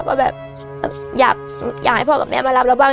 ว่าแบบอยากให้พ่อกับแม่มารับเราบ้าง